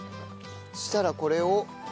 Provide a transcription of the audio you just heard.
そしたらこれを。